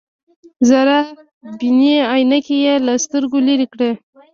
ذره بيني عينکې يې له سترګو لرې کړې.